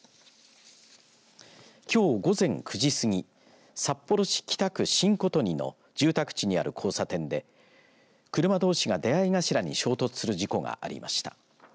きょう午前９時過ぎ札幌市北区新琴似の住宅地にある交差点で車どうしが出会い頭に衝突する事故がありました。